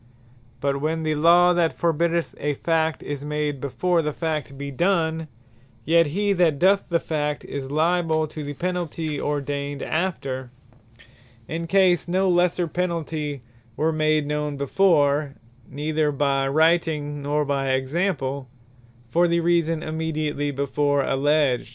But when the Law that forbiddeth a Fact, is made before the Fact be done; yet he that doth the Fact, is lyable to the Penalty ordained after, in case no lesser Penalty were made known before, neither by Writing, nor by Example, for the reason immediatly before alledged.